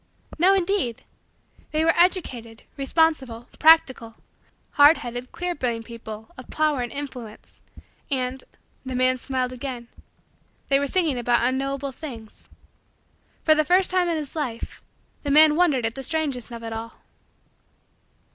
No indeed! They were educated, responsible, practical, hard headed, clear brained, people of power and influence and the man smiled again they were singing about unknowable things. For the first time in his life, the man wondered at the strangeness of it all.